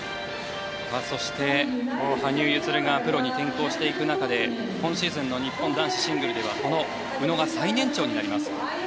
そして、羽生結弦がプロに転向していく中で今シーズンの日本男子シングルではこの宇野が最年長になります。